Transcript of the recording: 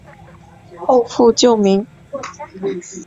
后复旧名。